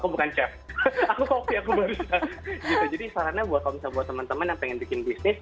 aku bukan chef aku kopi aku baru gitu jadi sarannya buat kalau misalnya buat teman teman yang pengen bikin bisnis